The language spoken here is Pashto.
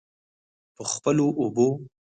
په خپلو اوبو.